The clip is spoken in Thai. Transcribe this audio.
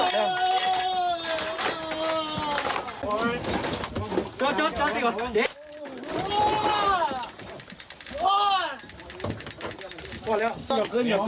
ตั้งปลา